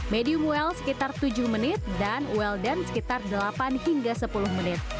medium well sekitar tujuh menit dan welden sekitar delapan hingga sepuluh menit